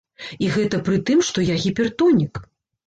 І гэта пры тым, што я гіпертонік.